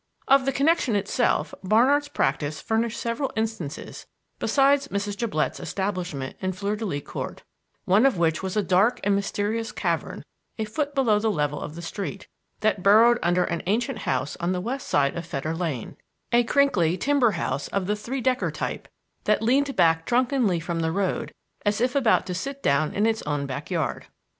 Of the connection itself Barnard's practise furnished several instances besides Mrs. Jablett's establishment in Fleur de Lys Court, one of which was a dark and mysterious cavern a foot below the level of the street, that burrowed under an ancient house on the west side of Fetter Lane a crinkly, timber house of the three decker type that leaned back drunkenly from the road as if about to sit down in its own back yard.